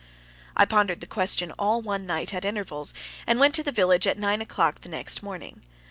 I pondered the question all one night, at intervals, and went to the village at nine o'clock the next morning.